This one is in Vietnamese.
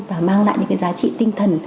và mang lại những giá trị tinh thần